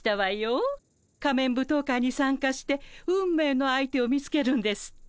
仮面舞踏会に参加して運命の相手を見つけるんですって？